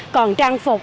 còn trang phục